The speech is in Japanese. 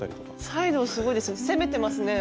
サイドすごいですね